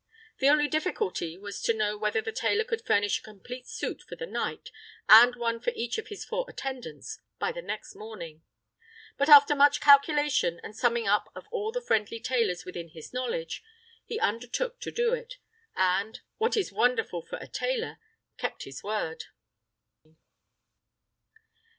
The only difficulty was to know whether the tailor could furnish a complete suit for the knight, and one for each of his four attendants, by the next morning; but after much calculation, and summing up of all the friendly tailors within his knowledge, he undertook to do it; and, what is wonderful for a tailor, kept his word.